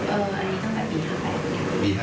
เอออันนี้ตั้งแต่ปี๕๘